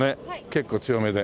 結構強めで。